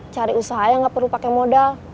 cari usaha yang gak perlu pake modal